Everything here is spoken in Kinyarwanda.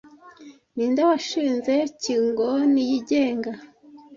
Ninde washinze kingoni yigenga